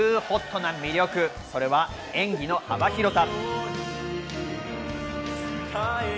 な魅力、それは演技の幅広さ。